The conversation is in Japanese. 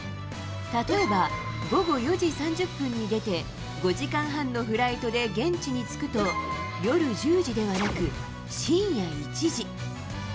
例えば午後４時３０分に出て、５時間半のフライトで現地に着くと、夜１０時ではなく、深夜１時。